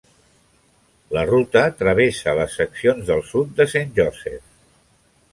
La ruta travessa les seccions del sud de Saint Joseph.